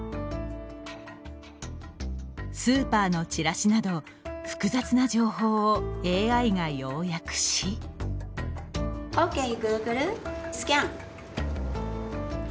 スーパーのチラシなど複雑な情報をＡＩが要約しＯＫＧｏｏｇｌｅスキャン。